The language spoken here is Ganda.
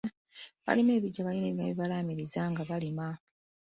Abalima ebiggya balina ebigambo bye balaamiriza nga balima.